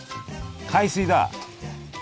海水だ！